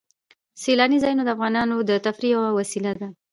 سیلانی ځایونه د افغانانو د تفریح یوه وسیله ده.